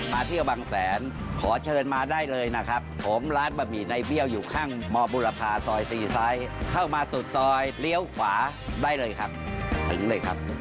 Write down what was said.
เที่ยวบางแสนขอเชิญมาได้เลยนะครับผมร้านบะหมี่ในเบี้ยวอยู่ข้างมบุรพาซอยตีซ้ายเข้ามาสุดซอยเลี้ยวขวาได้เลยครับถึงเลยครับ